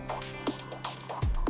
kalau lo pada semua